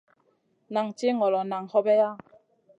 Nan tih ŋolo, nan hobeya.